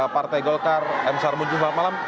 partai golkar m sarmuncul selamat malam